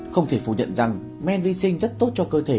không thể phủ nhận rằng men vi sinh rất tốt cho cơ thể